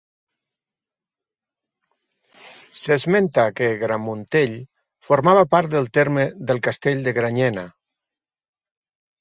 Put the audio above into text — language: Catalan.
S'esmenta que Gramuntell formava part del terme del castell de Granyena.